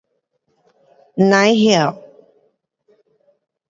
Nai hyoh